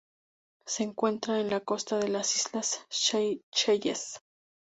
Se encuentra en las costas de las islas Seychelles.